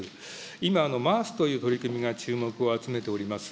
今、ＭａａＳという取り組みが注目を集めております。